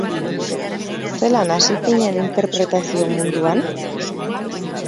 Zelan hasi zinen interpretazio munduan?